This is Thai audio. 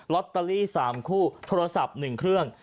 อตเตอรี่๓คู่โทรศัพท์๑เครื่อง